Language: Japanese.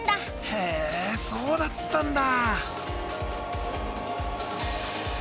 へえそうだったんだ。